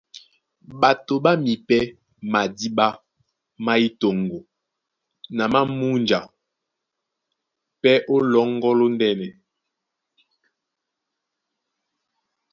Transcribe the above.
Ɓato ɓá mipɛ́ madíɓá má yí toŋgo na má múnja pɛ́ ó lɔ́ŋgɔ́ lóndɛ́nɛ.